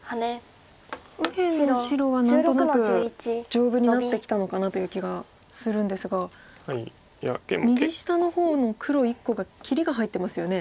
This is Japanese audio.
丈夫になってきたのかなという気がするんですが右下の方の黒１個が切りが入ってますよね。